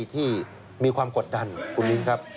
ที่มีความกดดันคุณมิ้นครับ